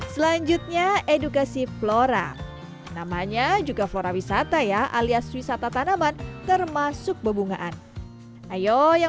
selanjutnya edukasi flora namanya juga flora wisata ya alias wisata tanaman termasuk bebungaan ayo yang